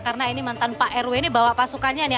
karena ini mantan pak rw ini bawa pasukannya nih